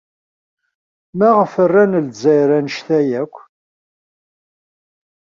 Maɣef ay ran Lezzayer anect-a akk?